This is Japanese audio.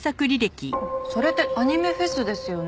それってアニメフェスですよね？